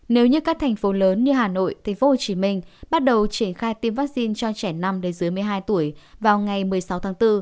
nếu như các thành phố lớn như hà nội tp hcm bắt đầu triển khai tiêm vaccine cho trẻ năm dưới một mươi hai tuổi vào ngày một mươi sáu tháng bốn